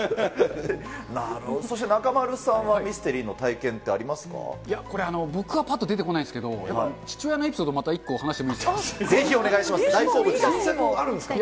そして中丸さんはミステリーいや、これ、僕はぱっと出てこないんですけど、やっぱ父親のエピソードまた１個話してもいいですか？